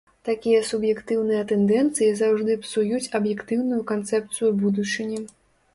Такія суб'ектыўныя тэндэнцыі заўжды псуюць аб'ектыўную канцэпцыю будучыні.